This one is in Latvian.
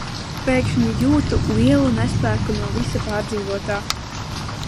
Pēkšņi jūtu lielu nespēku no visa pārdzīvotā.